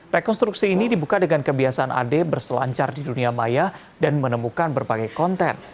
rekonstruksi ini dibuka dengan kebiasaan ade berselancar di dunia maya dan menemukan berbagai konten